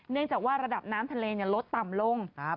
เนื่องจากว่าระดับน้ำทะเลลดต่ำลง